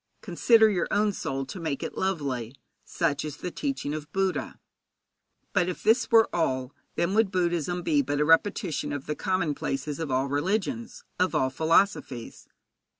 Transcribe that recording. Consider your own soul, to make it lovely. Such is the teaching of Buddha. But if this were all, then would Buddhism be but a repetition of the commonplaces of all religions, of all philosophies.